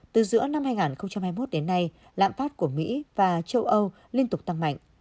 từ giữa năm hai nghìn hai mươi một đến nay lạm phát của mỹ và châu âu liên tục tăng mạnh